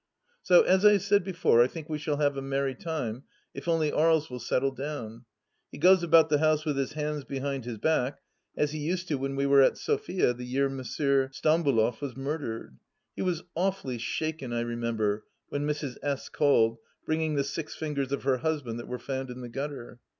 So, as I said before, I think we shall have a merry time, if only Aries will settle down. He goes about the house with his hands behind his back, as he used to do when we were at Sofia the year M. Stambuloff was murdered. He was awfully shaken, I remember, when Mrs. S. called, bringing the six fingers of her husband that were found in the gutter.